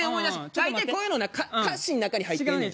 大体こういうのな歌詞の中に入ってんねん。